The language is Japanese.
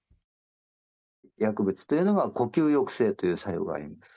薬物というのは呼吸抑制という作用があります。